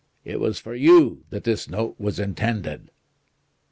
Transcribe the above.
It was for you that this note was intended."